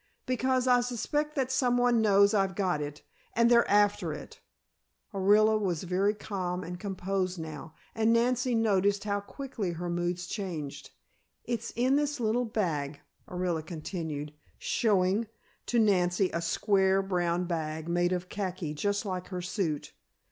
"Because I suspect that someone knows I've got it, and they're after it." Orilla was very calm and composed now, and Nancy noticed how quickly her moods changed. "It's in this little bag," Orilla continued, showing to Nancy a square, brown bag made of khaki, just like her suit.